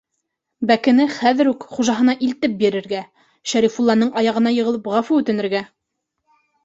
- Бәкене хәҙер үк хужаһына илтеп бирергә, Шәрифулланың аяғына йығылып, ғәфү үтенергә!